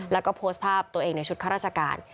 แล้วก็โพสต์ภาพตัวเองในชุดข้าราชการ